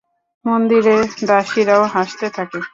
মন্দিরের দাসীরাও হাসতে থাকে।